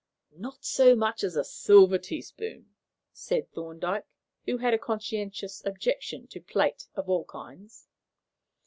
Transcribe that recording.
"Not so much as a silver teaspoon," replied Thorndyke, who had a conscientious objection to plate of all kinds.